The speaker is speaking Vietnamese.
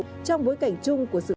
các đơn dân nhân kỷ niệm